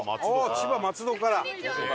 千葉松戸から。